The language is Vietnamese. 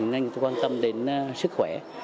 hình như quan tâm đến sức khỏe